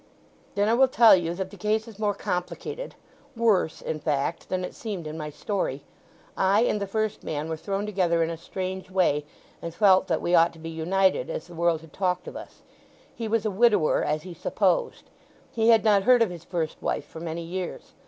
"Then I will tell you that the case is more complicated—worse, in fact—than it seemed in my story. I and the first man were thrown together in a strange way, and felt that we ought to be united, as the world had talked of us. He was a widower, as he supposed. He had not heard of his first wife for many years.